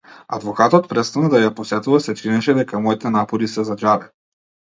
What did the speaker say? Адвокатот престана да ја посетува се чинеше дека моите напори се за џабе.